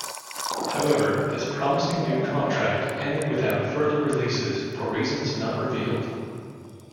However, this promising new contract ended without further releases for reasons not revealed.